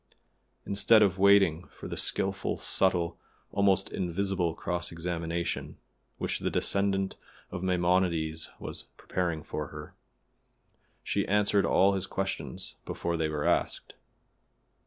Instead of waiting for the skillful, subtle, almost invisible cross examination which the descendant of Maimonides was preparing for her, she answered all his questions before they were asked.